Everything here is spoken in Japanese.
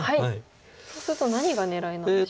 そうすると何が狙いなんでしょう。